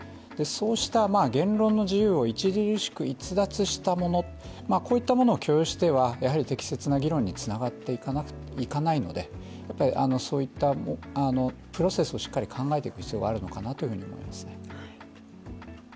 そうした言論の自由を著しく逸脱したもの、こういったものを許容しては適切な議論につながっていかないのでやっぱりそういったプロセスをしっかり考えていく必要があるのかなと思います。